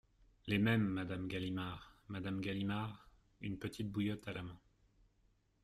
Les Mêmes, Madame Galimard Madame Galimard , une petite bouillotte à la main.